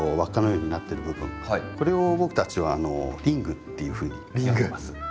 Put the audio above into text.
これを僕たちはリングっていうふうに呼んでます。